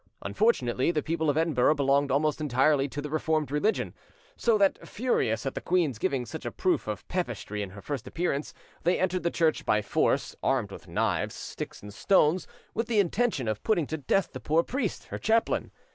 Unfortunately, the people of Edinburgh belonged almost entirely to the Reformed religion; so that, furious at the queen's giving such a proof of papistry at her first appearance, they entered the church by force, armed with knives, sticks and stones, with the intention of putting to death the poor priest, her chaplain.